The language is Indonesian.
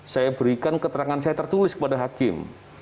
saya berikan keterangan saya tertulis kepada hakim